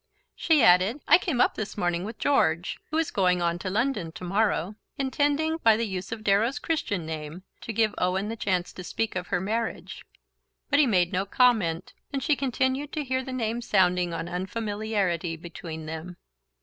She added: "I came up this morning with George, who is going on to London to morrow," intending, by the use of Darrow's Christian name, to give Owen the chance to speak of her marriage. But he made no comment, and she continued to hear the name sounding on unfamiliarly between them.